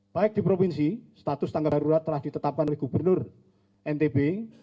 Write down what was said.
baik di provinsi status tanggap darurat telah ditetapkan oleh gubernur ntb